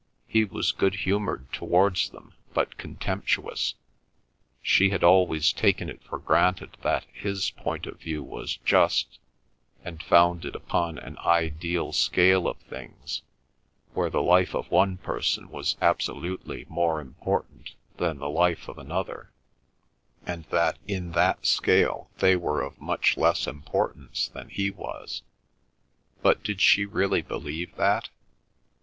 He was good humoured towards them, but contemptuous. She had always taken it for granted that his point of view was just, and founded upon an ideal scale of things where the life of one person was absolutely more important than the life of another, and that in that scale they were of much less importance than he was. But did she really believe that?